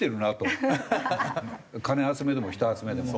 金集めでも人集めでも。